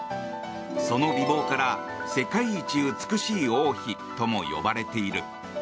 その美貌から、世界一美しい王妃とも呼ばれている。